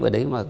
ở đấy mà